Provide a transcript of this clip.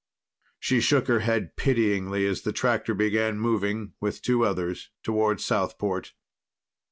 She shook her head pityingly as the tractor began moving with two others toward Southport.